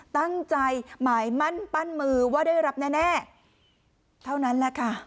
ตั้งใจหมายมั่นปั้นมือว่าได้รับแน่เท่านั้นแหละค่ะ